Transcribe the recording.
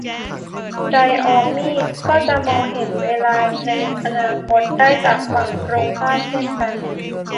ไดออมีด ก็จะมองเห็นเวลาในอนาคตได้จากฝั่งตรงข้ามเช่นกัน